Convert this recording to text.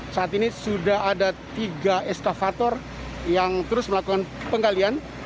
saat ini sudah ada tiga eskavator yang terus melakukan penggalian